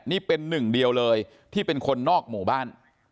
นี่เป็นหนึ่งเดียวเลยที่เป็นคนนอกหมู่บ้าน